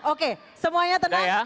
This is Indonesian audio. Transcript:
oke semuanya tenang